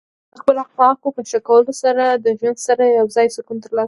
د خپل اخلاقو په ښه کولو سره د ژوند سره یوځای سکون ترلاسه کړئ.